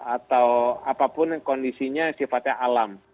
atau apapun kondisinya sifatnya alam